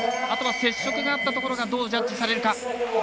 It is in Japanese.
あとは接触があったところどうジャッジされるか。